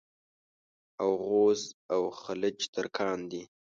اوغوز او خَلَج ترکان دي.